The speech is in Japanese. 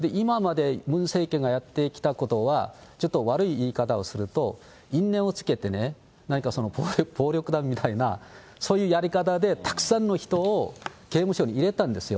ムン政権がやってきたことは、ちょっと悪い言い方をすると、因縁をつけてね、何か暴力団みたいな、そういうやり方でたくさんの人を刑務所に入れたんですよ。